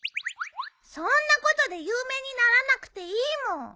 そんなことで有名にならなくていいもん！